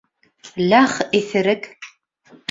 Ләх иҫерек!